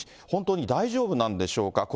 本当に大丈夫なんでしょうか。